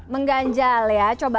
mengganjal ya coba